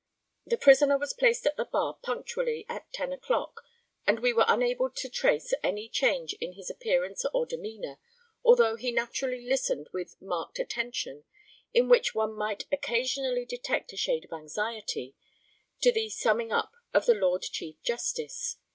The prisoner was placed at the bar punctually at 10 o'clock, and we were unable to trace any change in his appearance or demeanour, although he naturally listened with marked attention, in which one might occasionally detect a shade of anxiety, to the summing up of the Lord Chief Justice.